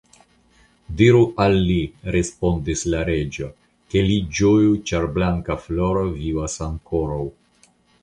Diru al li, respondis la reĝo, ke li ĝoju, ĉar Blankafloro vivas ankoraŭ.